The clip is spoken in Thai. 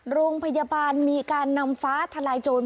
โรงพยาบาลมีการนำฟ้าทลายโจร